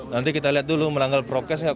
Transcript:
nanti kita lihat dulu melanggar protokol kesehatan